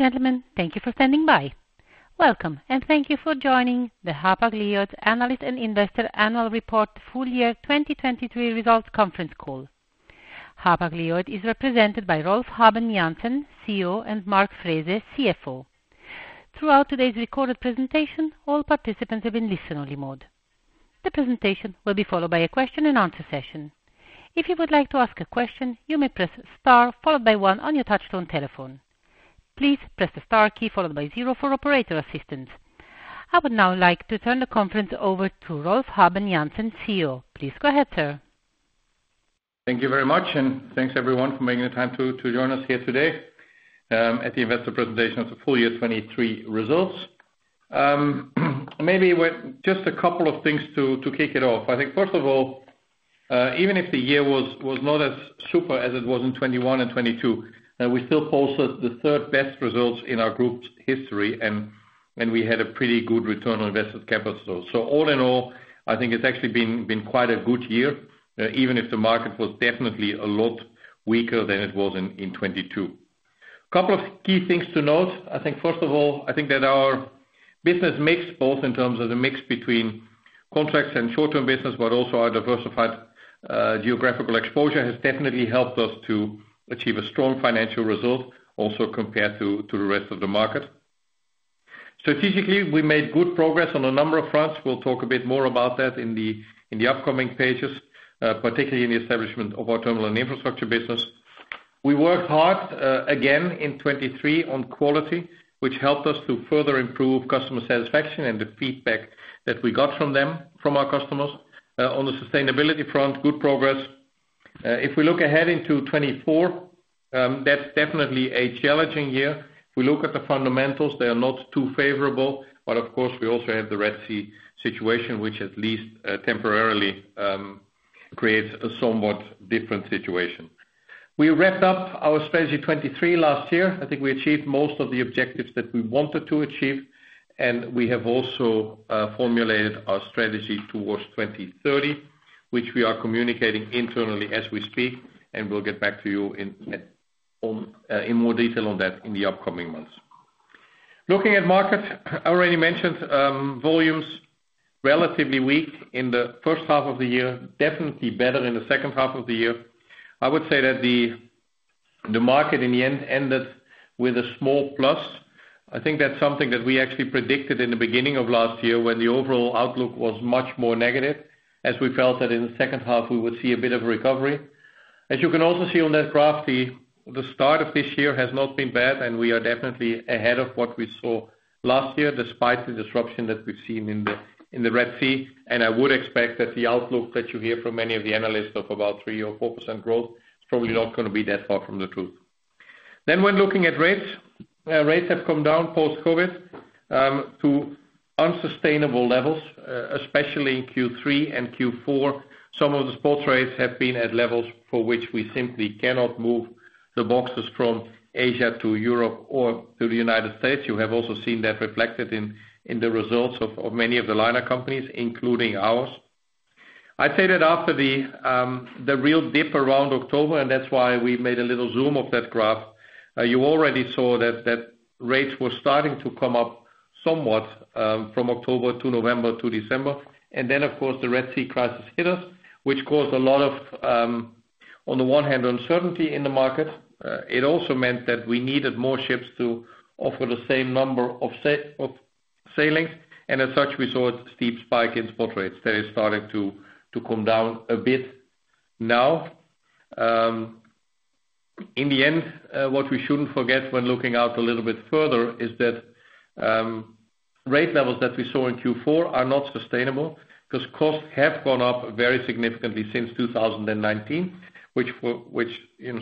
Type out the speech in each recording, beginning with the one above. Ladies and gentlemen, thank you for standing by. Welcome, and thank you for joining the Hapag-Lloyd Analyst and Investor Annual Report Full Year 2023 Results Conference Call. Hapag-Lloyd is represented by Rolf Habben Jansen, CEO, and Mark Frese, CFO. Throughout today's recorded presentation, all participants have been listen-only mode. The presentation will be followed by a question-and-answer session. If you would like to ask a question, you may press * followed by 1 on your touch-tone telephone. Please press the * key followed by 0 for operator assistance. I would now like to turn the conference over to Rolf Habben Jansen, CEO. Please go ahead, sir. Thank you very much, and thanks, everyone, for making the time to join us here today at the investor presentation of the full year 2023 results. Maybe just a couple of things to kick it off. I think, first of all, even if the year was not as super as it was in 2021 and 2022, we still posted the third-best results in our group's history when we had a pretty good return on invested capital. So all in all, I think it's actually been quite a good year, even if the market was definitely a lot weaker than it was in 2022. A couple of key things to note. I think, first of all, I think that our business mix, both in terms of the mix between contracts and short-term business but also our diversified geographical exposure, has definitely helped us to achieve a strong financial result, also compared to the rest of the market. Strategically, we made good progress on a number of fronts. We'll talk a bit more about that in the upcoming pages, particularly in the establishment of our terminal and infrastructure business. We worked hard, again, in 2023 on quality, which helped us to further improve customer satisfaction and the feedback that we got from our customers. On the sustainability front, good progress. If we look ahead into 2024, that's definitely a challenging year. If we look at the fundamentals, they are not too favorable. But of course, we also have the Red Sea situation, which at least temporarily creates a somewhat different situation. We wrapped up our Strategy 2023 last year. I think we achieved most of the objectives that we wanted to achieve. And we have also formulated our Strategy 2030, which we are communicating internally as we speak. And we'll get back to you in more detail on that in the upcoming months. Looking at markets, I already mentioned volumes relatively weak in the first half of the year, definitely better in the second half of the year. I would say that the market, in the end, ended with a small plus. I think that's something that we actually predicted in the beginning of last year when the overall outlook was much more negative, as we felt that in the second half we would see a bit of a recovery. As you can also see on that graph, the start of this year has not been bad. We are definitely ahead of what we saw last year, despite the disruption that we've seen in the Red Sea. I would expect that the outlook that you hear from many of the analysts of about 3%-4% growth is probably not going to be that far from the truth. When looking at rates, rates have come down post-COVID to unsustainable levels, especially in Q3 and Q4. Some of the spot rates have been at levels for which we simply cannot move the boxes from Asia to Europe or to the United States. You have also seen that reflected in the results of many of the liner companies, including ours. I'd say that after the real dip around October—and that's why we made a little zoom of that graph—you already saw that rates were starting to come up somewhat from October to November to December. And then, of course, the Red Sea crisis hit us, which caused a lot of, on the one hand, uncertainty in the market. It also meant that we needed more ships to offer the same number of sailings. And as such, we saw a steep spike in spot rates that is starting to come down a bit now. In the end, what we shouldn't forget when looking out a little bit further is that rate levels that we saw in Q4 are not sustainable because costs have gone up very significantly since 2019, which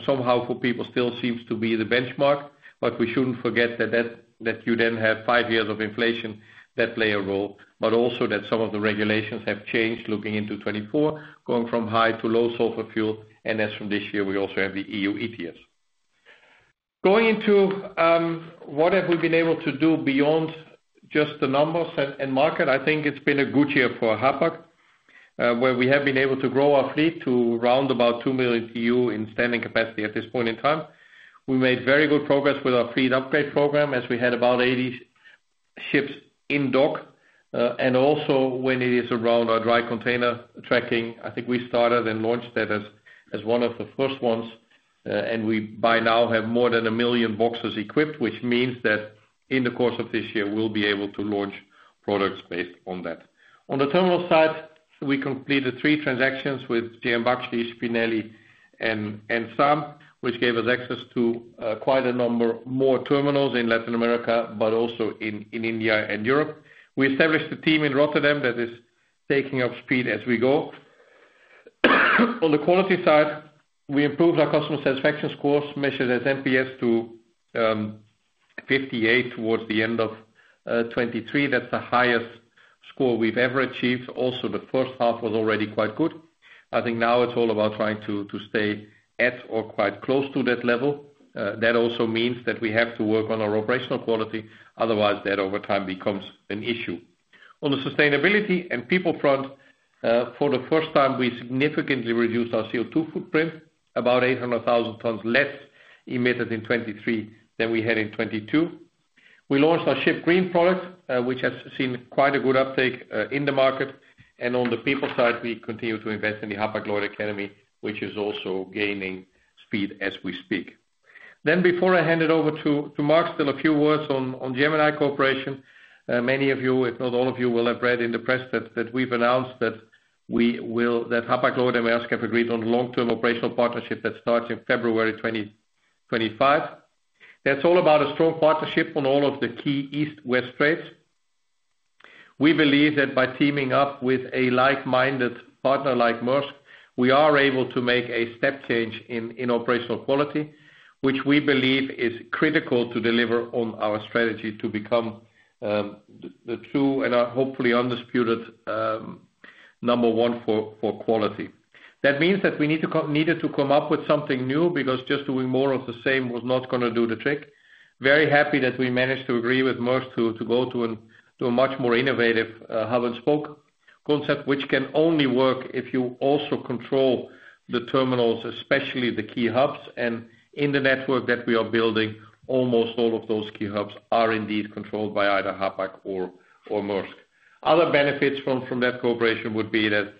somehow, for people, still seems to be the benchmark. But we shouldn't forget that you then have five years of inflation that play a role, but also that some of the regulations have changed looking into 2024, going from high to low sulfur fuel. And as from this year, we also have the EU ETS. Going into what have we been able to do beyond just the numbers and market, I think it's been a good year for Hapag, where we have been able to grow our fleet to round about 2,000,000 TEU in standing capacity at this point in time. We made very good progress with our fleet upgrade program as we had about 80 ships in dock. And also when it is around our dry container tracking, I think we started and launched that as one of the first ones. We by now have more than 1,000,000 boxes equipped, which means that in the course of this year, we'll be able to launch products based on that. On the terminal side, we completed 3 transactions with J.M. Baxi, Spinelli, and SAAM, which gave us access to quite a number more terminals in Latin America but also in India and Europe. We established a team in Rotterdam that is taking up speed as we go. On the quality side, we improved our customer satisfaction scores, measured as NPS to 58 towards the end of 2023. That's the highest score we've ever achieved. Also, the first half was already quite good. I think now it's all about trying to stay at or quite close to that level. That also means that we have to work on our operational quality. Otherwise, that over time becomes an issue. On the sustainability and people front, for the first time, we significantly reduced our CO2 footprint, about 800,000 tons less emitted in 2023 than we had in 2022. We launched our Ship Green product, which has seen quite a good uptake in the market. And on the people side, we continue to invest in the Hapag-Lloyd Academy, which is also gaining speed as we speak. Then before I hand it over to Mark, still a few words on Gemini Cooperation. Many of you, if not all of you, will have read in the press that we've announced that Hapag-Lloyd and Maersk have agreed on a long-term operational partnership that starts in February 2025. That's all about a strong partnership on all of the key east-west trades. We believe that by teaming up with a like-minded partner like Maersk, we are able to make a step change in operational quality, which we believe is critical to deliver on our strategy to become the true and hopefully undisputed number one for quality. That means that we needed to come up with something new because just doing more of the same was not going to do the trick. Very happy that we managed to agree with Maersk to go to a much more innovative hub-and-spoke concept, which can only work if you also control the terminals, especially the key hubs. And in the network that we are building, almost all of those key hubs are indeed controlled by either Hapag or Maersk. Other benefits from that cooperation would be that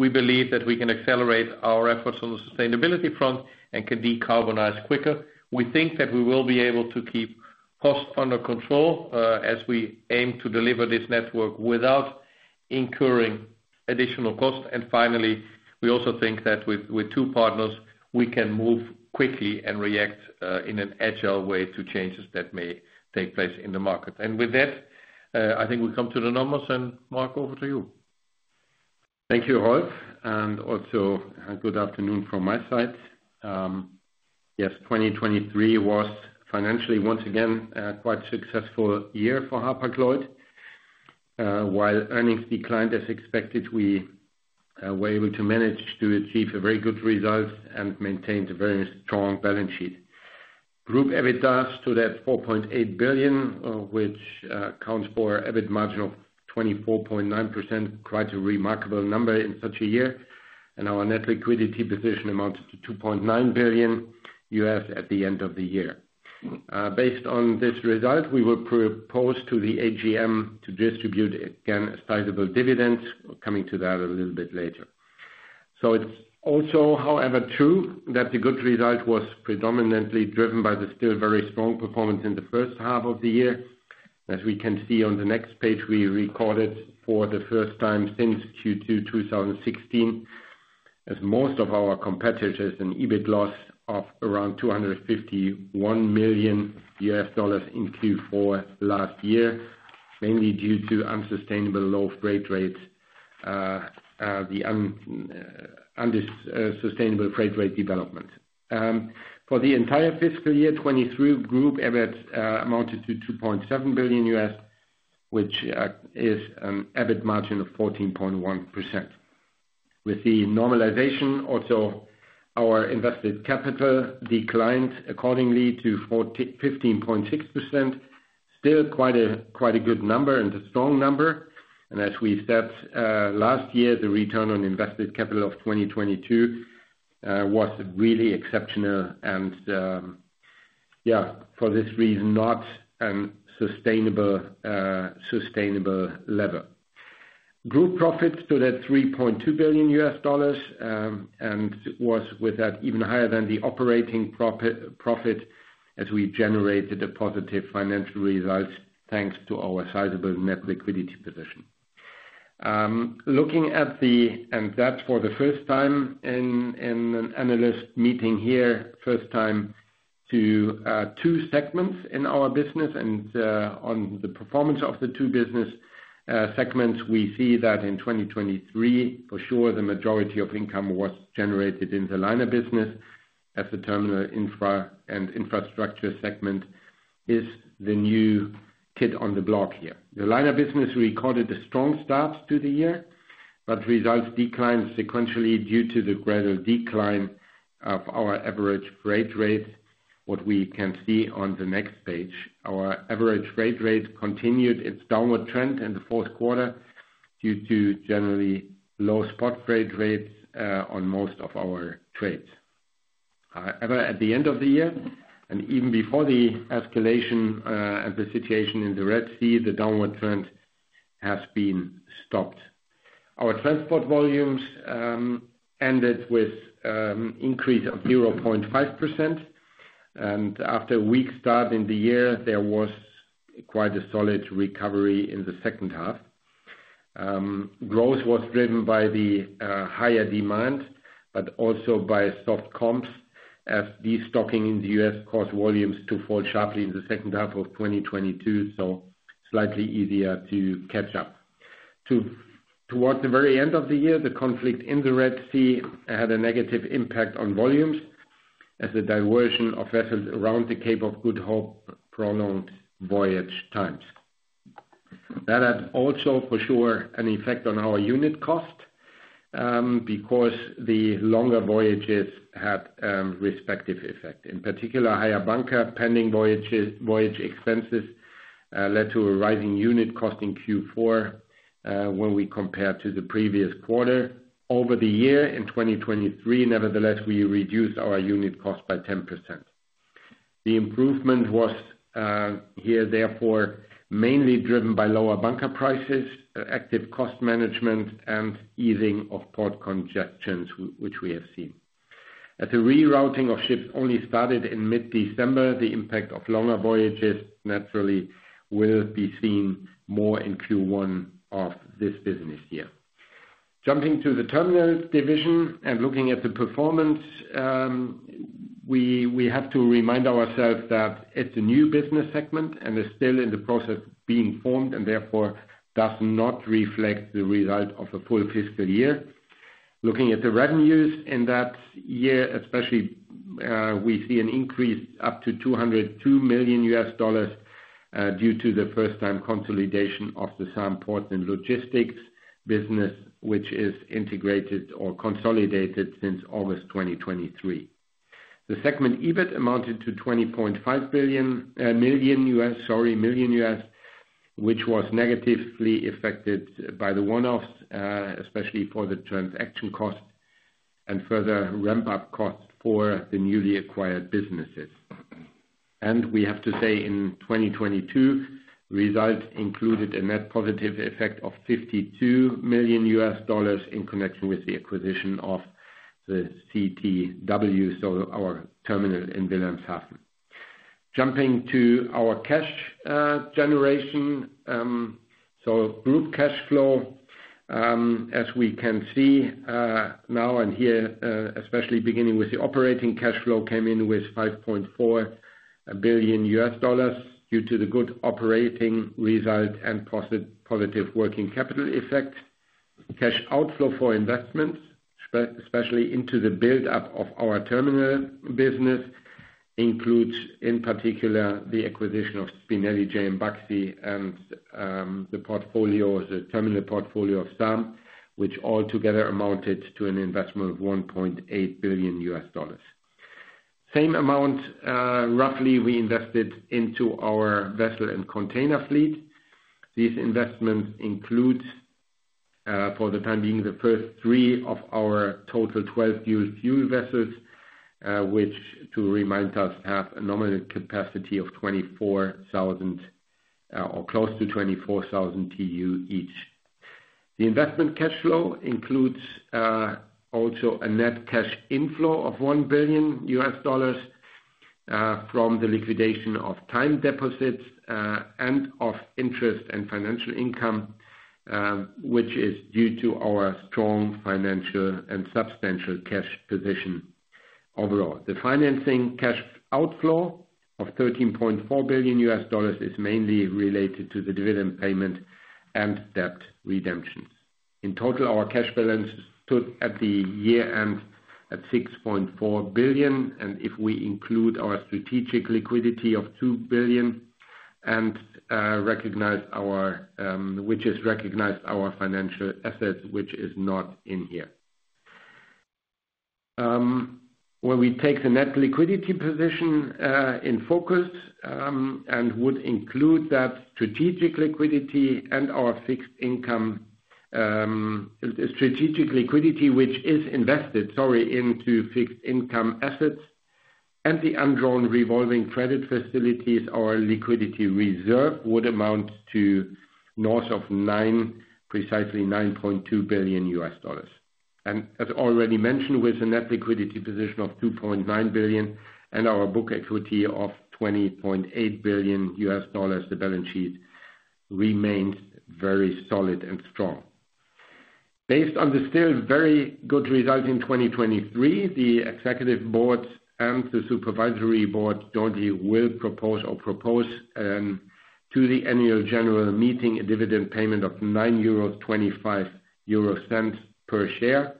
we believe that we can accelerate our efforts on the sustainability front and can decarbonize quicker. We think that we will be able to keep costs under control as we aim to deliver this network without incurring additional cost. And finally, we also think that with two partners, we can move quickly and react in an agile way to changes that may take place in the market. And with that, I think we come to the numbers. And Mark, over to you. Thank you, Rolf. Also good afternoon from my side. Yes, 2023 was financially, once again, quite a successful year for Hapag-Lloyd. While earnings declined as expected, we were able to manage to achieve very good results and maintained a very strong balance sheet. Group EBITDA stood at $4,800,000,000, which counts for an EBIT margin of 24.9%, quite a remarkable number in such a year. Our net liquidity position amounted to $2,900,000,000 at the end of the year. Based on this result, we will propose to the AGM to distribute, again, a sizable dividend. Coming to that a little bit later. So it's also, however, true that the good result was predominantly driven by the still very strong performance in the first half of the year. As we can see on the next page, we recorded for the first time since Q2 2016 as most of our competitors an EBIT loss of around $251,000,000 in Q4 last year, mainly due to unsustainable low freight rates, the unsustainable freight rate development. For the entire fiscal year 2023, group EBIT amounted to $2,700,000,000, which is an EBIT margin of 14.1%. With the normalization, also, our invested capital declined accordingly to 15.6%, still quite a good number and a strong number. And as we said, last year, the return on invested capital of 2022 was really exceptional and, yeah, for this reason, not a sustainable level. Group profit stood at $3,200,000,000 and was, with that, even higher than the operating profit as we generated a positive financial result thanks to our sizable net liquidity position. Looking at that and that's for the first time in an analyst meeting here, first time to two segments in our business. On the performance of the two business segments, we see that in 2023, for sure, the majority of income was generated in the liner business as the terminal infra and infrastructure segment is the new kid on the block here. The liner business recorded a strong start to the year, but results declined sequentially due to the gradual decline of our average freight rates, what we can see on the next page. Our average freight rates continued its downward trend in the fourth quarter due to generally low spot freight rates on most of our trades. However, at the end of the year and even before the escalation and the situation in the Red Sea, the downward trend has been stopped. Our transport volumes ended with an increase of 0.5%. After a weak start in the year, there was quite a solid recovery in the second half. Growth was driven by the higher demand but also by soft comps as destocking in the U.S. caused volumes to fall sharply in the second half of 2022, so slightly easier to catch up. Towards the very end of the year, the conflict in the Red Sea had a negative impact on volumes as the diversion of vessels around the Cape of Good Hope prolonged voyage times. That had also, for sure, an effect on our unit cost because the longer voyages had a respective effect. In particular, higher bunker pending voyage expenses led to a rising unit cost in Q4 when we compared to the previous quarter. Over the year in 2023, nevertheless, we reduced our unit cost by 10%. The improvement was here, therefore, mainly driven by lower bunker prices, active cost management, and easing of port congestions, which we have seen. As the rerouting of ships only started in mid-December, the impact of longer voyages, naturally, will be seen more in Q1 of this business year. Jumping to the terminal division and looking at the performance, we have to remind ourselves that it's a new business segment and is still in the process of being formed and, therefore, does not reflect the result of a full fiscal year. Looking at the revenues in that year, especially, we see an increase up to $202,000,000 due to the first-time consolidation of the SAAM Ports and Logistics business, which is integrated or consolidated since August 2023. The segment EBIT amounted to $20,500,000, which was negatively affected by the one-offs, especially for the transaction cost and further ramp-up costs for the newly acquired businesses. And we have to say, in 2022, results included a net positive effect of $52,000,000 in connection with the acquisition of the CTW, so our terminal in Wilhelmshaven. Jumping to our cash generation, so group cash flow, as we can see now and here, especially beginning with the operating cash flow, came in with $5,400,000,000 due to the good operating result and positive working capital effect. Cash outflow for investments, especially into the buildup of our terminal business, includes, in particular, the acquisition of Spinelli, J.M. Baxi and the terminal portfolio of SAAM, which altogether amounted to an investment of $1,800,000,000. Same amount, roughly, we invested into our vessel and container fleet. These investments include, for the time being, the first three of our total twelve 24,000 TEU vessels, which, to remind us, have a nominal capacity of 24,000 or close to 24,000 TEU each. The investment cash flow includes also a net cash inflow of $1,000,000,000 from the liquidation of time deposits and of interest and financial income, which is due to our strong financial and substantial cash position overall. The financing cash outflow of $13,400,000,000 is mainly related to the dividend payment and debt redemptions. In total, our cash balance stood at the year end at $6,400,000,000. If we include our strategic liquidity of $2,000,000,000 and recognize our financial assets, which is not in here. When we take the net liquidity position in focus and would include that strategic liquidity and our fixed income, the strategic liquidity, which is invested, sorry, into fixed income assets and the undrawn revolving credit facilities, our liquidity reserve would amount to north of 9, precisely $9,200,000,000. As already mentioned, with a net liquidity position of $2,900,000,000 and our book equity of $20,800,000,000, the balance sheet remains very solid and strong. Based on the still very good result in 2023, the executive board and the supervisory board jointly will propose or propose to the annual general meeting a dividend payment of 9.25 euros per share.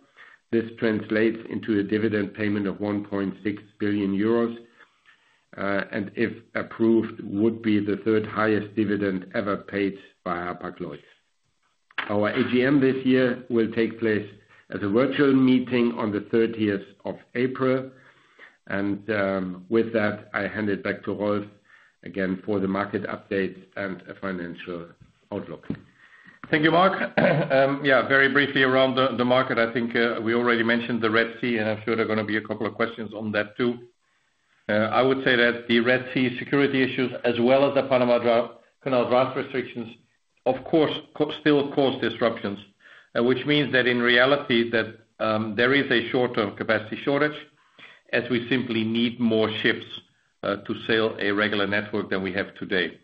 This translates into a dividend payment of 1,600,000,000 euros. If approved, would be the third highest dividend ever paid by Hapag-Lloyd. Our AGM this year will take place as a virtual meeting on the 30th of April. With that, I hand it back to Rolf again for the market updates and a financial outlook. Thank you, Mark. Yeah, very briefly around the market, I think we already mentioned the Red Sea, and I'm sure there are going to be a couple of questions on that too. I would say that the Red Sea security issues, as well as the Panama Canal draft restrictions, of course, still cause disruptions, which means that in reality that there is a short-term capacity shortage as we simply need more ships to sail a regular network than we have today.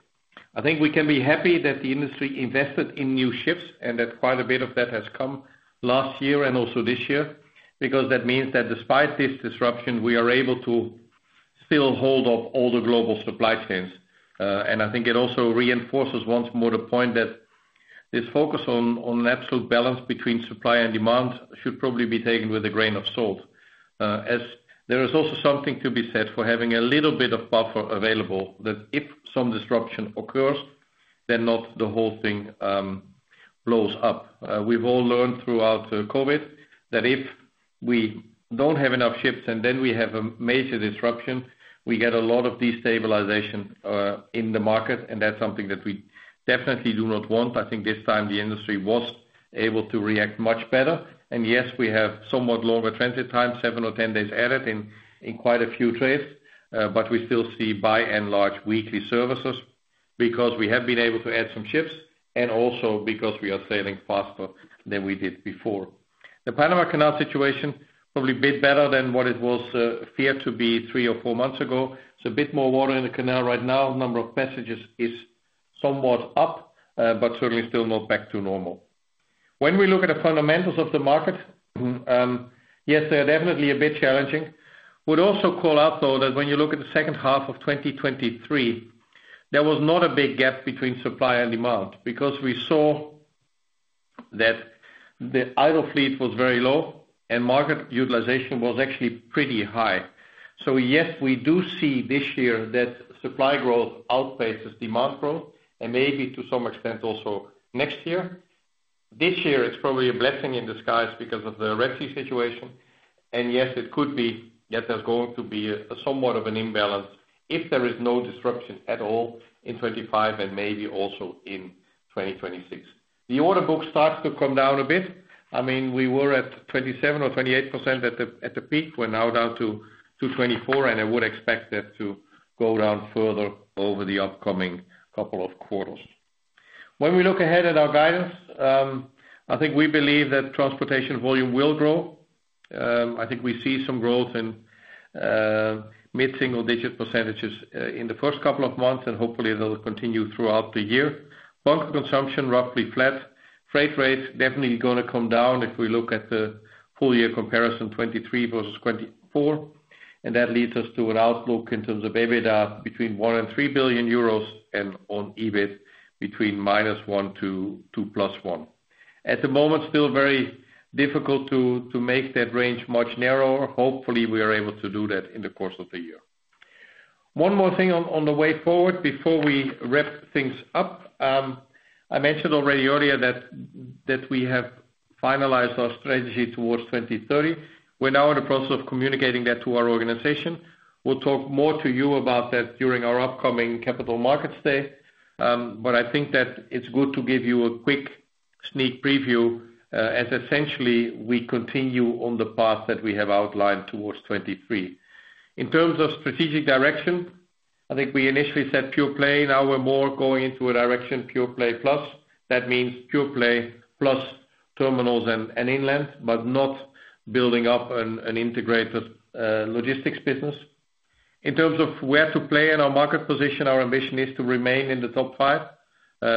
I think we can be happy that the industry invested in new ships and that quite a bit of that has come last year and also this year because that means that despite this disruption, we are able to still hold off all the global supply chains. I think it also reinforces once more the point that this focus on an absolute balance between supply and demand should probably be taken with a grain of salt. As there is also something to be said for having a little bit of buffer available that if some disruption occurs, then not the whole thing blows up. We've all learned throughout COVID that if we don't have enough ships and then we have a major disruption, we get a lot of destabilization in the market. And that's something that we definitely do not want. I think this time the industry was able to react much better. And yes, we have somewhat longer transit time, 7 or 10 days added in quite a few trades. But we still see, by and large, weekly services because we have been able to add some ships and also because we are sailing faster than we did before. The Panama Canal situation, probably a bit better than what it was feared to be 3 or 4 months ago. It's a bit more water in the canal right now. Number of passages is somewhat up but certainly still not back to normal. When we look at the fundamentals of the market, yes, they are definitely a bit challenging. Would also call out, though, that when you look at the second half of 2023, there was not a big gap between supply and demand because we saw that the idle fleet was very low and market utilization was actually pretty high. So yes, we do see this year that supply growth outpaces demand growth and maybe to some extent also next year. This year, it's probably a blessing in disguise because of the Red Sea situation. Yes, it could be that there's going to be somewhat of an imbalance if there is no disruption at all in 2025 and maybe also in 2026. The order book starts to come down a bit. I mean, we were at 27% or 28% at the peak. We're now down to 22.4%, and I would expect that to go down further over the upcoming couple of quarters. When we look ahead at our guidance, I think we believe that transportation volume will grow. I think we see some growth in mid-single-digit percentages in the first couple of months, and hopefully, they'll continue throughout the year. Bunker consumption roughly flat. Freight rates definitely going to come down if we look at the full-year comparison, 2023 versus 2024. And that leads us to an outlook in terms of EBITDA between 1,000,000,000 and 3,000,000,000 euros and on EBIT between -1,000,000,000 to +2,000,000,000. At the moment, still very difficult to make that range much narrower. Hopefully, we are able to do that in the course of the year. One more thing on the way forward before we wrap things up. I mentioned already earlier that we have finalized our strategy towards 2030. We're now in the process of communicating that to our organization. We'll talk more to you about that during our upcoming Capital Markets Day. But I think that it's good to give you a quick sneak preview as, essentially, we continue on the path that we have outlined towards 2023. In terms of strategic direction, I think we initially said pure play. Now we're more going into a direction pure play plus. That means pure play plus terminals and inland but not building up an integrated logistics business. In terms of where to play in our market position, our ambition is to remain in the top five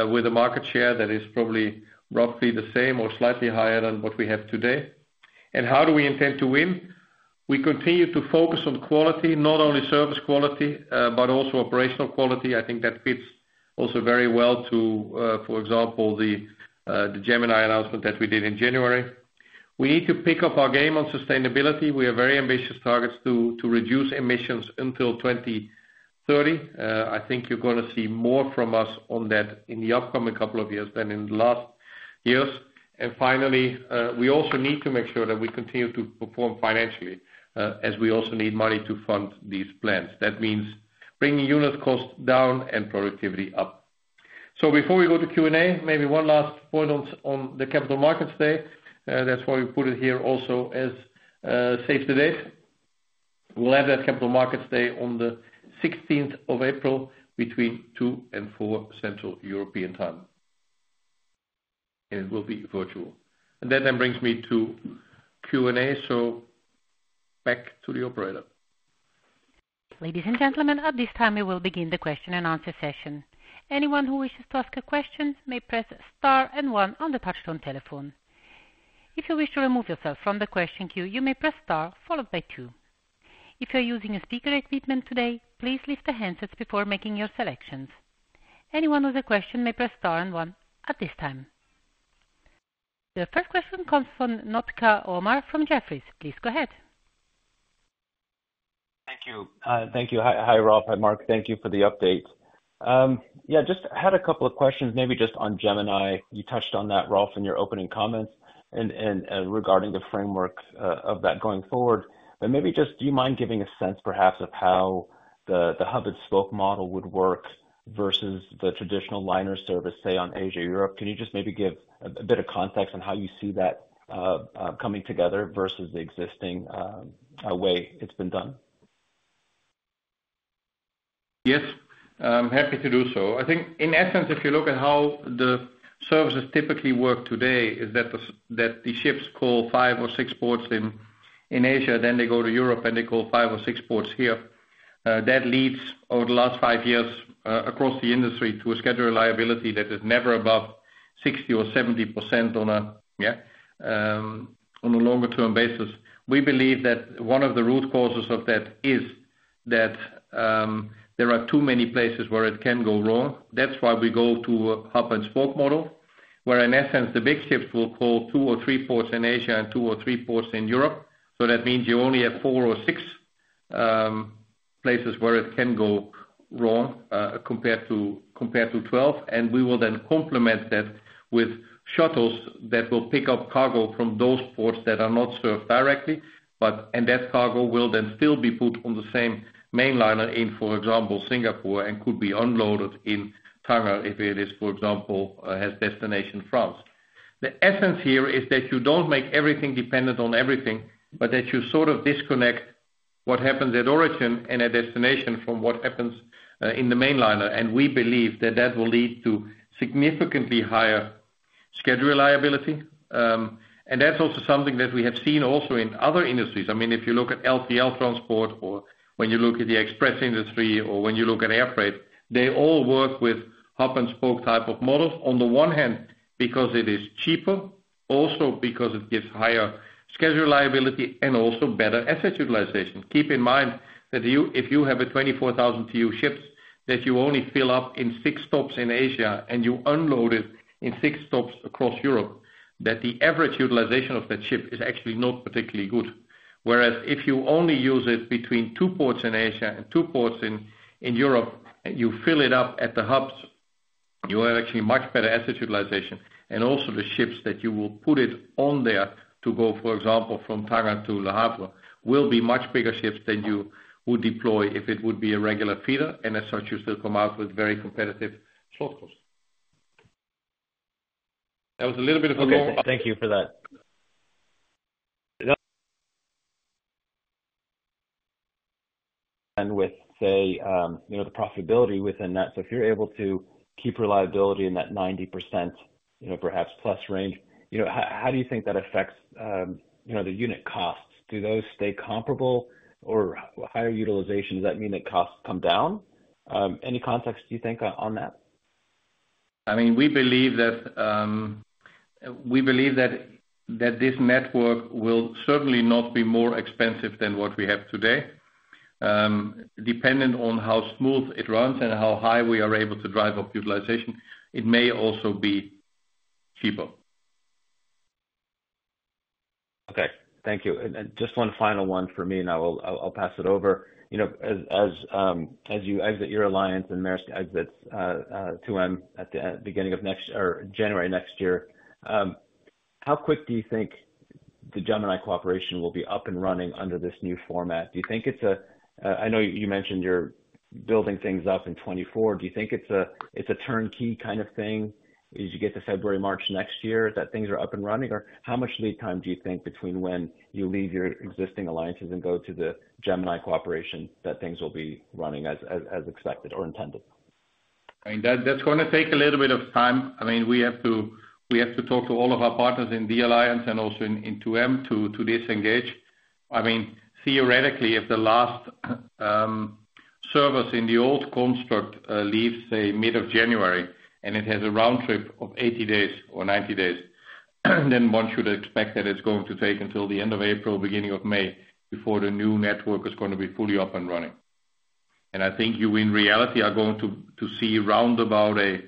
with a market share that is probably roughly the same or slightly higher than what we have today. How do we intend to win? We continue to focus on quality, not only service quality but also operational quality. I think that fits also very well to, for example, the Gemini announcement that we did in January. We need to pick up our game on sustainability. We have very ambitious targets to reduce emissions until 2030. I think you're going to see more from us on that in the upcoming couple of years than in the last years. And finally, we also need to make sure that we continue to perform financially as we also need money to fund these plans. That means bringing unit cost down and productivity up. So before we go to Q&A, maybe one last point on the Capital Markets Day. That's why we put it here also as save the date. We'll have that Capital Markets Day on the 16th of April between 2:00 P.M. and 4:00 P.M. Central European Time. And it will be virtual. And that then brings me to Q&A. So back to the operator. Ladies and gentlemen, at this time, we will begin the question-and-answer session. Anyone who wishes to ask a question may press star and one on the touch-tone telephone. If you wish to remove yourself from the question queue, you may press star followed by two. If you're using speaker equipment today, please lift the handsets before making your selections. Anyone with a question may press star and one at this time. The first question comes from Omar Nokta from Jefferies. Please go ahead. Thank you. Thank you. Hi, Rolf. Hi, Mark. Thank you for the update. Yeah, just had a couple of questions maybe just on Gemini. You touched on that, Rolf, in your opening comments regarding the framework of that going forward. But maybe just do you mind giving a sense, perhaps, of how the hub-and-spoke model would work versus the traditional liner service, say, on Asia/Europe? Can you just maybe give a bit of context on how you see that coming together versus the existing way it's been done? Yes. I'm happy to do so. I think, in essence, if you look at how the services typically work today is that the ships call 5 or 6 ports in Asia, then they go to Europe, and they call 5 or 6 ports here. That leads, over the last 5 years across the industry, to a schedule liability that is never above 60% or 70% on a longer-term basis. We believe that one of the root causes of that is that there are too many places where it can go wrong. That's why we go to a hub-and-spoke model where, in essence, the big ships will call 2 or 3 ports in Asia and 2 or 3 ports in Europe. So that means you only have 4 or 6 places where it can go wrong compared to 12. And we will then complement that with shuttles that will pick up cargo from those ports that are not served directly. And that cargo will then still be put on the same mainliner in, for example, Singapore and could be unloaded in Tangier if it is, for example, has destination France. The essence here is that you don't make everything dependent on everything but that you sort of disconnect what happens at origin and at destination from what happens in the mainliner. And we believe that that will lead to significantly higher schedule reliability. And that's also something that we have seen also in other industries. I mean, if you look at LTL transport or when you look at the express industry or when you look at air freight, they all work with hub-and-spoke type of models, on the one hand because it is cheaper, also because it gives higher schedule liability, and also better asset utilization. Keep in mind that if you have 24,000 TEU ships that you only fill up in six stops in Asia and you unload it in six stops across Europe, that the average utilization of that ship is actually not particularly good. Whereas if you only use it between two ports in Asia and two ports in Europe, you fill it up at the hubs, you have actually much better asset utilization. And also, the ships that you will put it on there to go, for example, from Tangier to Le Havre will be much bigger ships than you would deploy if it would be a regular feeder. And as such, you still come out with very competitive freight costs. That was a little bit of a long. Thank you for that. And with, say, the profitability within that. So if you're able to keep reliability in that 90%, perhaps plus range, how do you think that affects the unit costs? Do those stay comparable? Or higher utilization, does that mean that costs come down? Any context do you think on that? I mean, we believe that we believe that this network will certainly not be more expensive than what we have today. Dependent on how smooth it runs and how high we are able to drive up utilization, it may also be cheaper. Okay. Thank you. And just one final one for me, and I'll pass it over. As your alliance and Maersk exits 2M at the beginning of next or January next year, how quick do you think the Gemini Cooperation will be up and running under this new format? Do you think it's a, I know you mentioned you're building things up in 2024. Do you think it's a turnkey kind of thing as you get to February, March next year that things are up and running? Or how much lead time do you think between when you leave your existing alliances and go to the Gemini Cooperation that things will be running as expected or intended? I mean, that's going to take a little bit of time. I mean, we have to talk to all of our partners in the alliance and also in 2M to disengage. I mean, theoretically, if the last service in the old construct leaves, say, mid of January and it has a round trip of 80 days or 90 days, then one should expect that it's going to take until the end of April, beginning of May before the new network is going to be fully up and running. And I think you, in reality, are going to see roundabout a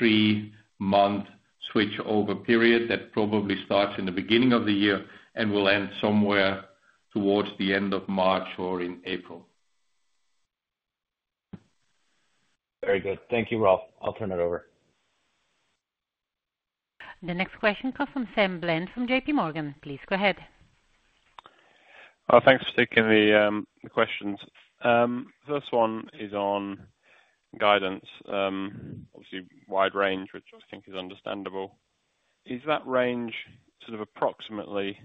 3-month switchover period that probably starts in the beginning of the year and will end somewhere towards the end of March or in April. Very good. Thank you, Rolf. I'll turn it over. The next question comes from Samuel Bland from JP Morgan. Please go ahead. Thanks for taking the questions. First one is on guidance, obviously, wide range, which I think is understandable. Is that range sort of approximately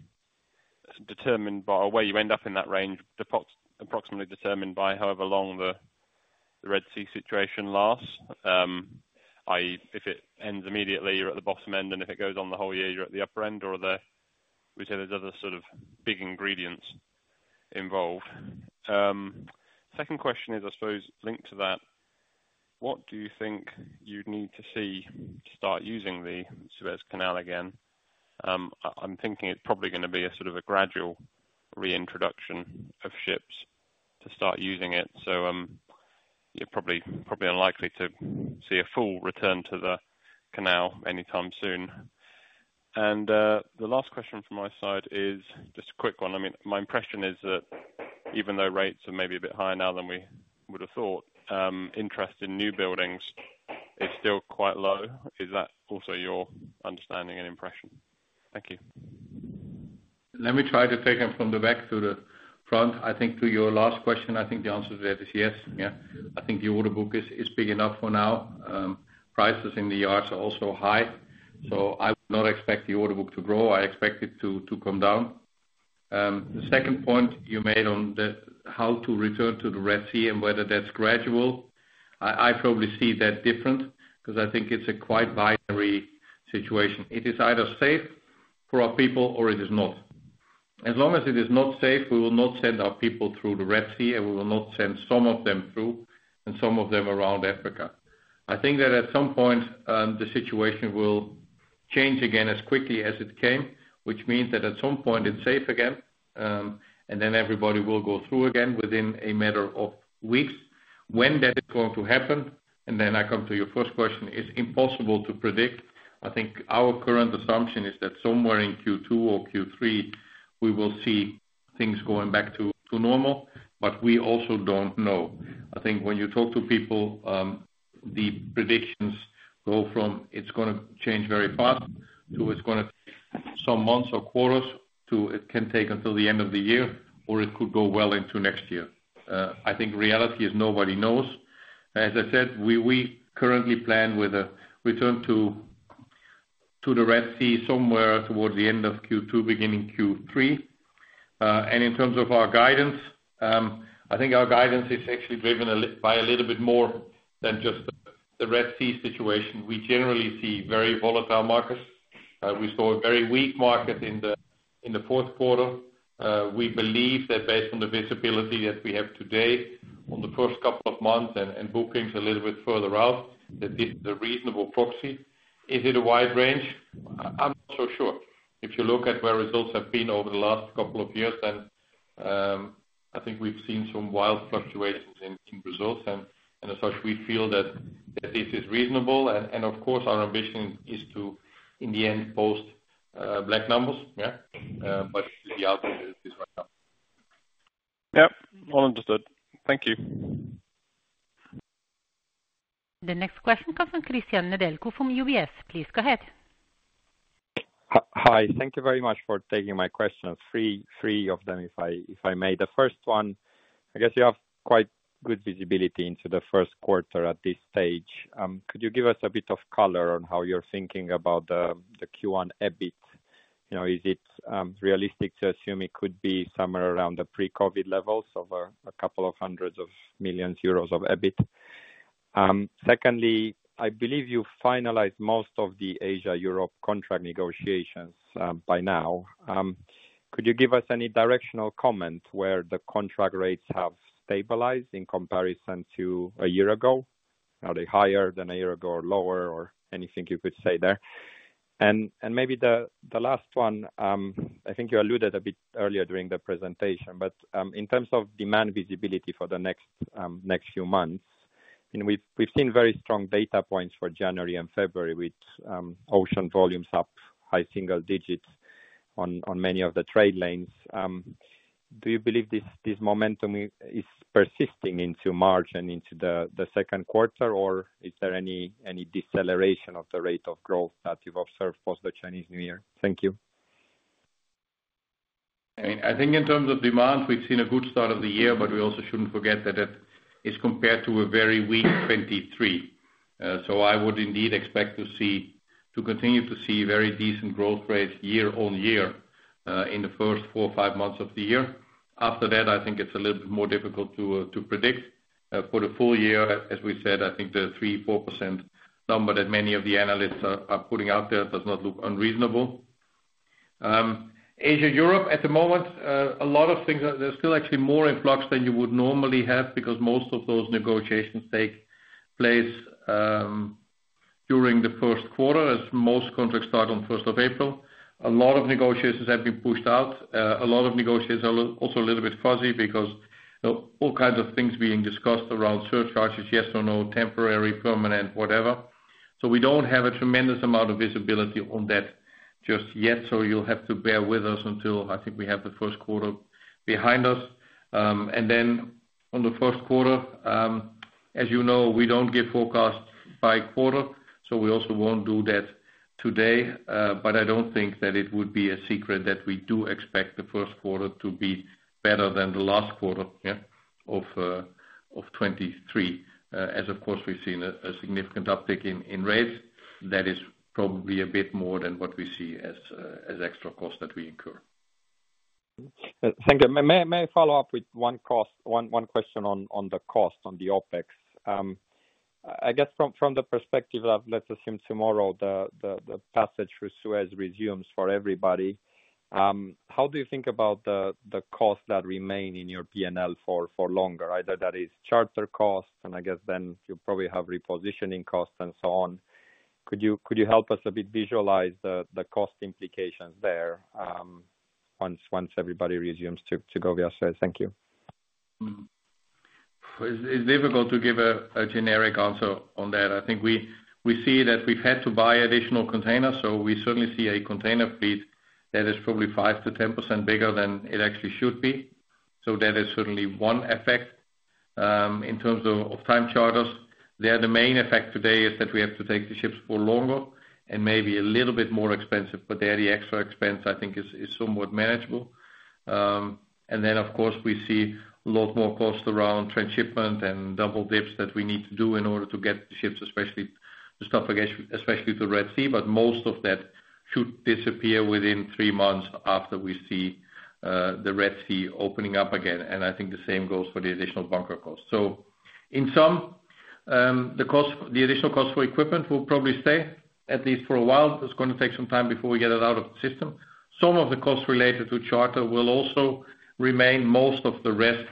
determined by or where you end up in that range approximately determined by however long the Red Sea situation lasts, i.e., if it ends immediately, you're at the bottom end? And if it goes on the whole year, you're at the upper end? Or would you say there's other sort of big ingredients involved? Second question is, I suppose, linked to that. What do you think you'd need to see to start using the Suez Canal again? I'm thinking it's probably going to be a sort of a gradual reintroduction of ships to start using it. So you're probably unlikely to see a full return to the canal anytime soon. And the last question from my side is just a quick one. I mean, my impression is that even though rates are maybe a bit higher now than we would have thought, interest in new buildings is still quite low. Is that also your understanding and impression? Thank you. Let me try to take it from the back to the front. I think, to your last question, I think the answer to that is yes. Yeah. I think the order book is big enough for now. Prices in the yards are also high. So I would not expect the order book to grow. I expect it to come down. The second point you made on how to return to the Red Sea and whether that's gradual, I probably see that different because I think it's a quite binary situation. It is either safe for our people or it is not. As long as it is not safe, we will not send our people through the Red Sea, and we will not send some of them through and some of them around Africa. I think that at some point, the situation will change again as quickly as it came, which means that at some point, it's safe again. Then everybody will go through again within a matter of weeks. When that is going to happen, and then I come to your first question, is impossible to predict. I think our current assumption is that somewhere in Q2 or Q3, we will see things going back to normal. We also don't know. I think when you talk to people, the predictions go from it's going to change very fast, to it's going to take some months or quarters, to it can take until the end of the year, or it could go well into next year. I think reality is nobody knows. As I said, we currently plan with a return to the Red Sea somewhere towards the end of Q2, beginning Q3. In terms of our guidance, I think our guidance is actually driven by a little bit more than just the Red Sea situation. We generally see very volatile markets. We saw a very weak market in the fourth quarter. We believe that based on the visibility that we have today on the first couple of months and bookings a little bit further out, that this is a reasonable proxy. Is it a wide range? I'm not so sure. If you look at where results have been over the last couple of years, then I think we've seen some wild fluctuations in results. As such, we feel that this is reasonable. Of course, our ambition is to, in the end, post black numbers. Yeah. But the outcome is right now. Yep. All understood. Thank you. The next question comes from Cristian Nedelcu from UBS. Please go ahead. Hi. Thank you very much for taking my questions, three of them if I may. The first one, I guess you have quite good visibility into the first quarter at this stage. Could you give us a bit of color on how you're thinking about the Q1 EBIT? Is it realistic to assume it could be somewhere around the pre-COVID levels of a couple of hundreds of million EUR of EBIT? Secondly, I believe you finalized most of the Asia/Europe contract negotiations by now. Could you give us any directional comment where the contract rates have stabilized in comparison to a year ago? Are they higher than a year ago or lower or anything you could say there? And maybe the last one, I think you alluded a bit earlier during the presentation. But in terms of demand visibility for the next few months, I mean, we've seen very strong data points for January and February with ocean volumes up, high single digits on many of the trade lanes. Do you believe this momentum is persisting into March and into the second quarter? Or is there any deceleration of the rate of growth that you've observed post the Chinese New Year? Thank you. I mean, I think in terms of demand, we've seen a good start of the year. But we also shouldn't forget that it is compared to a very weak 2023. So I would indeed expect to continue to see very decent growth rates year on year in the first four or five months of the year. After that, I think it's a little bit more difficult to predict. For the full year, as we said, I think the 3%-4% number that many of the analysts are putting out there does not look unreasonable. Asia/Europe, at the moment, a lot of things there's still actually more in flux than you would normally have because most of those negotiations take place during the first quarter as most contracts start on 1st of April. A lot of negotiations have been pushed out. A lot of negotiations are also a little bit fuzzy because all kinds of things being discussed around surcharges, yes or no, temporary, permanent, whatever. So we don't have a tremendous amount of visibility on that just yet. So you'll have to bear with us until I think we have the first quarter behind us. And then on the first quarter, as you know, we don't give forecasts by quarter. So we also won't do that today. But I don't think that it would be a secret that we do expect the first quarter to be better than the last quarter of 2023. As, of course, we've seen a significant uptick in rates, that is probably a bit more than what we see as extra costs that we incur. Thank you. May I follow up with one question on the cost, on the OPEX? I guess from the perspective of, let's assume, tomorrow, the passage through Suez resumes for everybody, how do you think about the costs that remain in your P&L for longer? Either that is charter costs, and I guess then you'll probably have repositioning costs and so on. Could you help us a bit visualize the cost implications there once everybody resumes to go via Suez? Thank you. It's difficult to give a generic answer on that. I think we see that we've had to buy additional containers. So we certainly see a container fleet that is probably 5%-10% bigger than it actually should be. So that is certainly one effect. In terms of time charters, the main effect today is that we have to take the ships for longer and maybe a little bit more expensive. But there, the extra expense, I think, is somewhat manageable. And then, of course, we see a lot more costs around transshipment and double dips that we need to do in order to get the ships, especially the stuff, especially to the Red Sea. But most of that should disappear within three months after we see the Red Sea opening up again. And I think the same goes for the additional bunker costs. In sum, the additional costs for equipment will probably stay at least for a while. It's going to take some time before we get it out of the system. Some of the costs related to charter will also remain. Most of the rest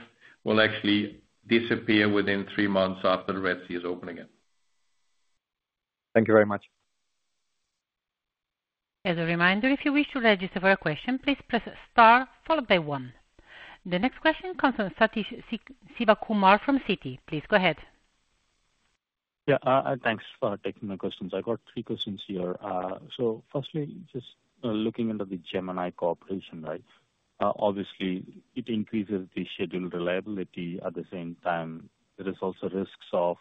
will actually disappear within three months after the Red Sea is open again. Thank you very much. As a reminder, if you wish to register for a question, please press star, followed by 1. The next question comes from Sathish Sivakumar from Citi. Please go ahead. Yeah. Thanks for taking my questions. I got three questions here. So firstly, just looking into the Gemini Cooperation, right, obviously, it increases the schedule reliability. At the same time, there is also risks of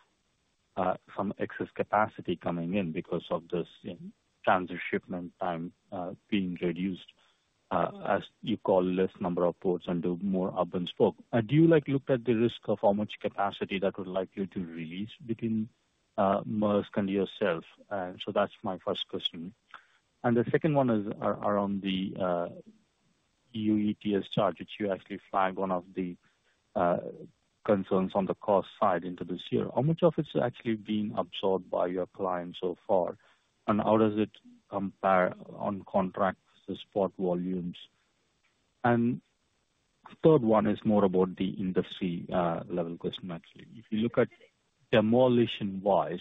some excess capacity coming in because of this transshipment time being reduced, as you call, less number of ports and do more hub-and-spoke. Do you look at the risk of how much capacity that would like you to release between Maersk and yourself? And so that's my first question. And the second one is around the EU ETS charge, which you actually flagged one of the concerns on the cost side into this year. How much of it's actually being absorbed by your client so far? And how does it compare on contract spot volumes? And third one is more about the industry-level question, actually. If you look at demolition-wise,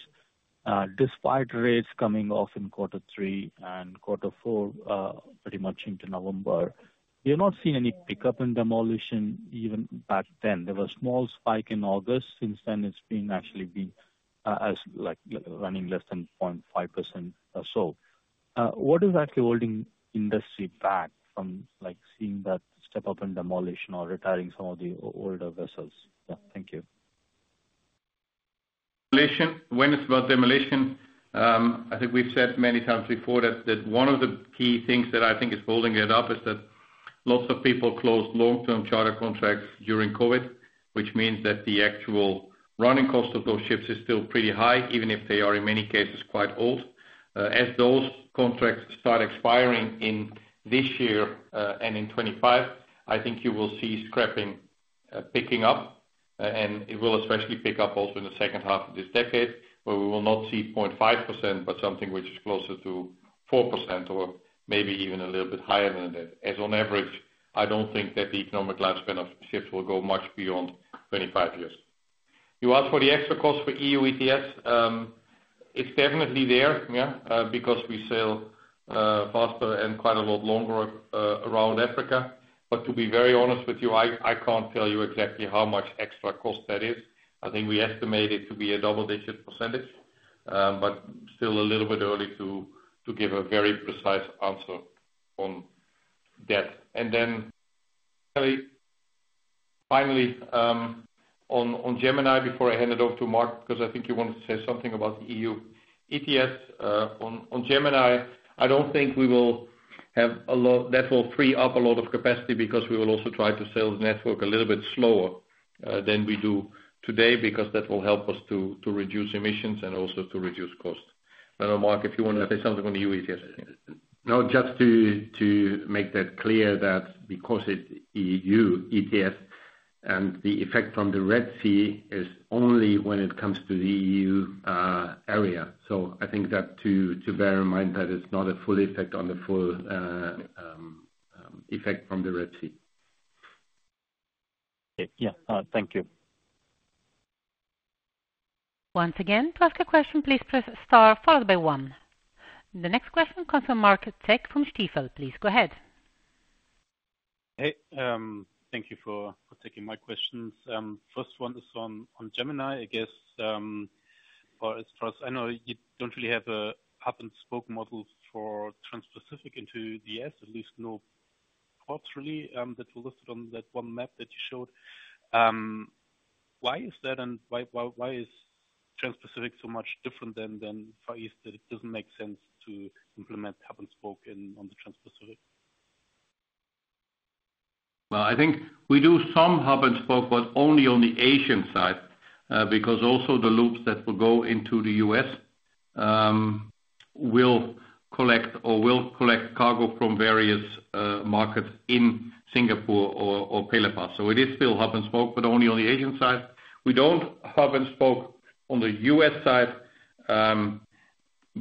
despite rates coming off in quarter three and quarter four, pretty much into November, we have not seen any pickup in demolition even back then. There was a small spike in August. Since then, it's actually been running less than 0.5% or so. What is actually holding industry back from seeing that step up in demolition or retiring some of the older vessels? Yeah. Thank you. When it's about demolition, I think we've said many times before that one of the key things that I think is holding it up is that lots of people closed long-term charter contracts during COVID, which means that the actual running cost of those ships is still pretty high, even if they are, in many cases, quite old. As those contracts start expiring in this year and in 2025, I think you will see scrapping picking up. And it will especially pick up also in the second half of this decade, where we will not see 0.5% but something which is closer to 4% or maybe even a little bit higher than that. As on average, I don't think that the economic lifespan of ships will go much beyond 25 years. You asked for the extra cost for EU ETS. It's definitely there. Yeah. Because we sail faster and quite a lot longer around Africa. But to be very honest with you, I can't tell you exactly how much extra cost that is. I think we estimate it to be a double-digit % but still a little bit early to give a very precise answer on that. And then finally, on Gemini before I hand it over to Mark because I think you wanted to say something about the EU ETS, on Gemini, I don't think we will have a lot that will free up a lot of capacity because we will also try to sail the network a little bit slower than we do today because that will help us to reduce emissions and also to reduce costs. I don't know, Mark, if you wanted to say something on the EU ETS. No, just to make that clear that because it's EU ETS and the effect from the Red Sea is only when it comes to the EU area. So I think that to bear in mind that it's not a full effect on the full effect from the Red Sea. Yeah. Thank you. Once again, to ask a question, please press star, followed by 1. The next question comes from Marc Zeck from Stifel. Please go ahead. Hey. Thank you for taking my questions. First one is on Gemini, I guess. Or as far as I know, you don't really have a hub-and-spoke model for Trans-Pacific into the U.S. At least no ports, really, that were listed on that one map that you showed. Why is that? And why is Trans-Pacific so much different than Asia? That it doesn't make sense to implement hub-and-spoke on the Trans-Pacific. Well, I think we do some hub-and-spoke but only on the Asian side because also the loops that will go into the U.S. will collect or will collect cargo from various markets in Singapore or Pearl River. So it is still hub-and-spoke but only on the Asian side. We don't hub-and-spoke on the U.S. side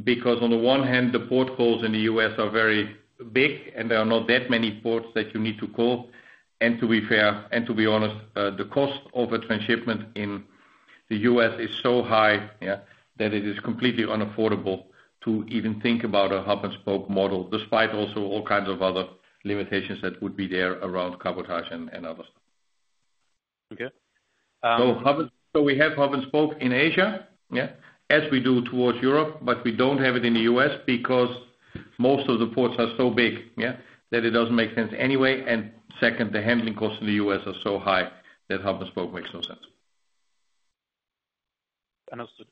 because, on the one hand, the port calls in the U.S. are very big, and there are not that many ports that you need to call. And to be fair and to be honest, the cost of a transshipment in the U.S. is so high, yeah, that it is completely unaffordable to even think about a hub-and-spoke model despite also all kinds of other limitations that would be there around cabotage and other stuff. So we have hub-and-spoke in Asia, yeah, as we do towards Europe. But we don't have it in the U.S. because most of the ports are so big, yeah, that it doesn't make sense anyway. And second, the handling costs in the U.S. are so high that hub-and-spoke makes no sense. Understood.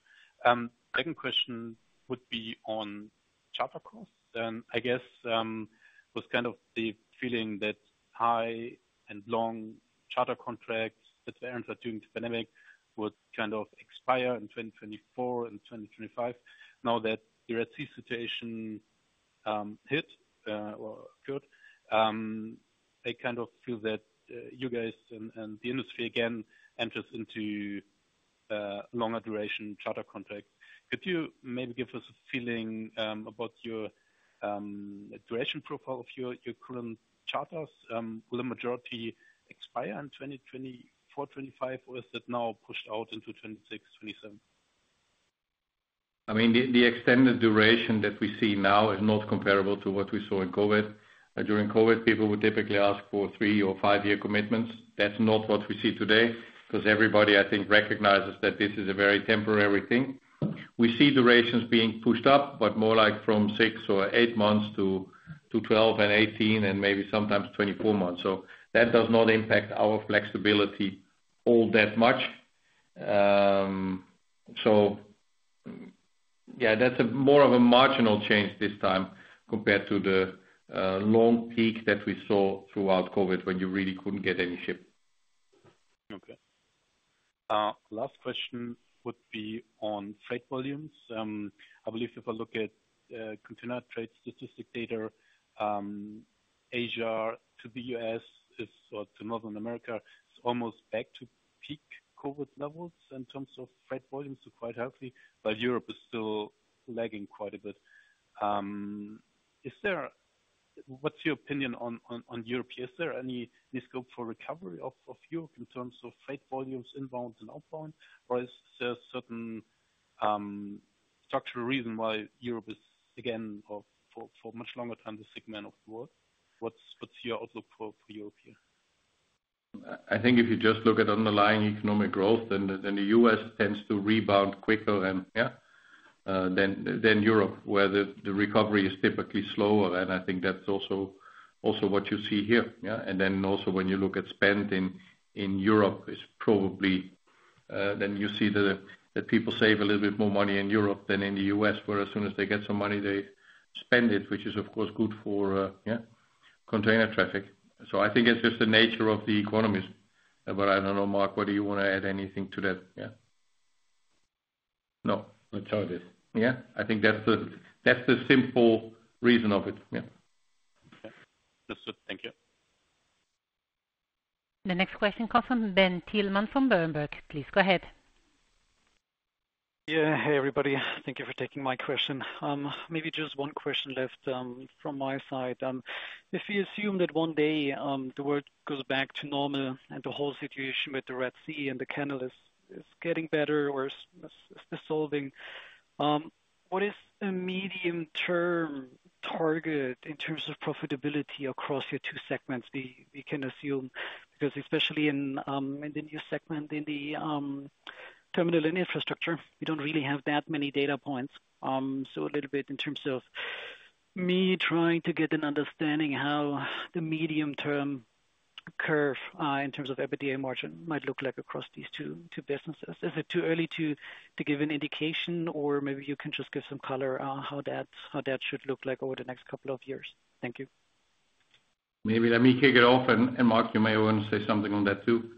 Second question would be on charter costs. And I guess it was kind of the feeling that high and long charter contracts that were entered during the pandemic would kind of expire in 2024 and 2025. Now that the Red Sea situation hit or occurred, I kind of feel that you guys and the industry again enters into longer-duration charter contracts. Could you maybe give us a feeling about your duration profile of your current charters? Will the majority expire in 2024, 2025, or is that now pushed out into 2026, 2027? I mean, the extended duration that we see now is not comparable to what we saw in COVID. During COVID, people would typically ask for 3- or 5-year commitments. That's not what we see today because everybody, I think, recognizes that this is a very temporary thing. We see durations being pushed up but more like from 6 or 8 months to 12 and 18 and maybe sometimes 24 months. So that does not impact our flexibility all that much. So yeah, that's more of a marginal change this time compared to the long peak that we saw throughout COVID when you really couldn't get any ship. Okay. Last question would be on freight volumes. I believe if I look at container trade statistic data, Asia to the U.S. or to North America is almost back to peak COVID levels in terms of freight volumes, so quite healthy. But Europe is still lagging quite a bit. What's your opinion on Europe? Is there any scope for recovery of Europe in terms of freight volumes inbound and outbound? Or is there a certain structural reason why Europe is, again, for much longer time, the segment of the world? What's your outlook for Europe here? I think if you just look at underlying economic growth, then the U.S. tends to rebound quicker, yeah, than Europe, where the recovery is typically slower. And I think that's also what you see here. Yeah. And then also, when you look at spend in Europe, it's probably then you see that people save a little bit more money in Europe than in the U.S., where as soon as they get some money, they spend it, which is, of course, good for, yeah, container traffic. So I think it's just the nature of the economies. But I don't know, Mark, whether you want to add anything to that. Yeah. No. That's how it is. Yeah. I think that's the simple reason of it. Yeah. Understood. Thank you. The next question comes from Ben Thielmann from Berenberg. Please go ahead. Yeah. Hey, everybody. Thank you for taking my question. Maybe just one question left from my side. If we assume that one day the world goes back to normal and the whole situation with the Red Sea and the canal is getting better or is dissolving, what is a medium-term target in terms of profitability across your two segments we can assume? Because especially in the new segment in the terminal and infrastructure, we don't really have that many data points. So a little bit in terms of me trying to get an understanding how the medium-term curve in terms of EBITDA margin might look like across these two businesses. Is it too early to give an indication? Or maybe you can just give some color how that should look like over the next couple of years? Thank you. Maybe let me kick it off. And Mark, you may want to say something on that too.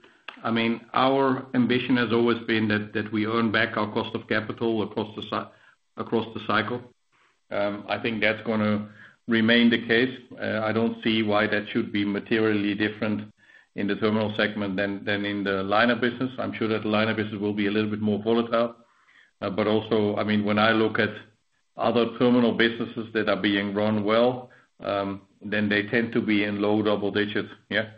I mean, our ambition has always been that we earn back our cost of capital across the cycle. I think that's going to remain the case. I don't see why that should be materially different in the terminal segment than in the liner business. I'm sure that the liner business will be a little bit more volatile. But also, I mean, when I look at other terminal businesses that are being run well, then they tend to be in low double-digit, yeah,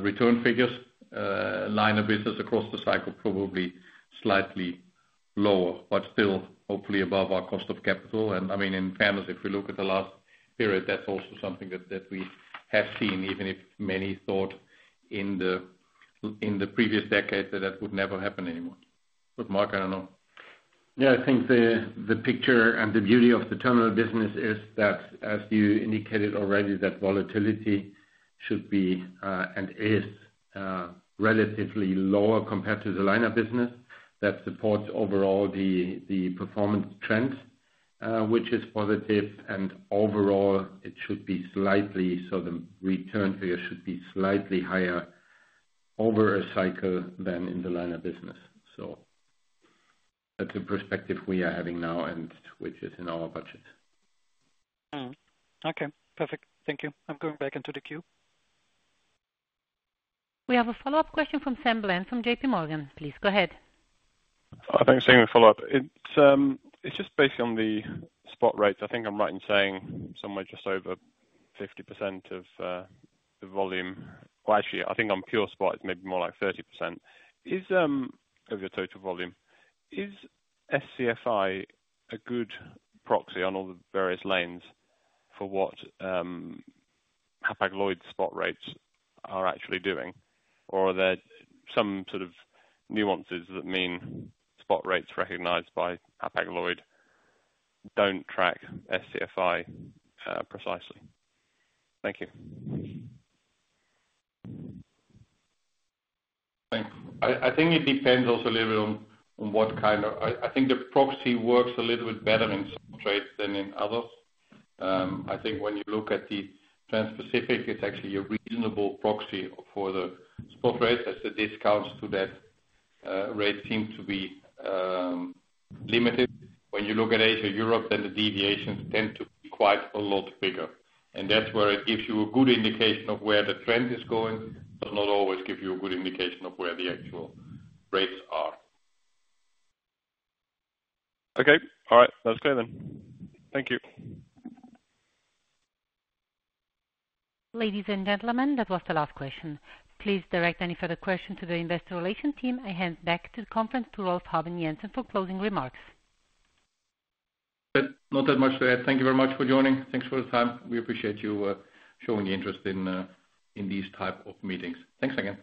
return figures. Liner business across the cycle, probably slightly lower but still, hopefully, above our cost of capital. And I mean, in fairness, if we look at the last period, that's also something that we have seen, even if many thought in the previous decade that that would never happen anymore. But Mark, I don't know. Yeah. I think the picture and the beauty of the terminal business is that, as you indicated already, that volatility should be and is relatively lower compared to the liner business that supports overall the performance trend, which is positive. And overall, it should be slightly so the return figure should be slightly higher over a cycle than in the liner business. So that's the perspective we are having now and which is in our budget. Okay. Perfect. Thank you. I'm going back into the queue. We have a follow-up question from Sam Bland from J.P. Morgan. Please go ahead. I think same follow-up. It's just based on the spot rates. I think I'm right in saying somewhere just over 50% of the volume. Well, actually, I think on pure spot, it's maybe more like 30% of your total volume. Is SCFI a good proxy on all the various lanes for what Hapag-Lloyd spot rates are actually doing? Or are there some sort of nuances that mean spot rates recognized by Hapag-Lloyd don't track SCFI precisely? Thank you. I think it depends also a little bit on what kind of I think the proxy works a little bit better in some trades than in others. I think when you look at the Trans-Pacific, it's actually a reasonable proxy for the spot rates. As the discounts to that rate seem to be limited, when you look at Asia/Europe, then the deviations tend to be quite a lot bigger. That's where it gives you a good indication of where the trend is going but not always gives you a good indication of where the actual rates are. Okay. All right. That's clear then. Thank you. Ladies and gentlemen, that was the last question. Please direct any further questions to the investor relations team. I hand back to the conference to Rolf Habben Jansen for closing remarks. Not that much to add. Thank you very much for joining. Thanks for the time. We appreciate you showing interest in these type of meetings. Thanks again.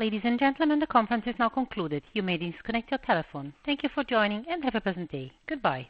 Ladies and gentlemen, the conference is now concluded. You may disconnect your telephone. Thank you for joining, and have a pleasant day. Goodbye.